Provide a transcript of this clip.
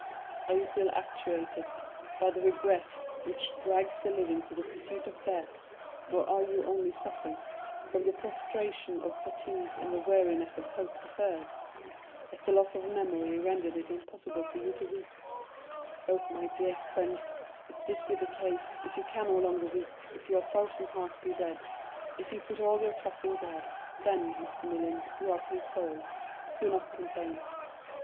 Are you still actuated by the regret which drags the living to the pursuit of death; or are you only suffering from the prostration of fatigue and the weariness of hope deferred? Has the loss of memory rendered it impossible for you to weep? Oh, my dear friend, if this be the case,—if you can no longer weep, if your frozen heart be dead, if you put all your trust in God, then, Maximilian, you are consoled—do not complain."